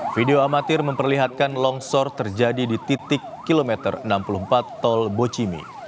video amatir memperlihatkan longsor terjadi di titik kilometer enam puluh empat tol bocimi